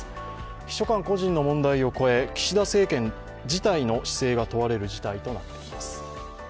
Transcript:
秘書官個人の問題を超え、岸田政権自体の姿勢が問われる事件となっています。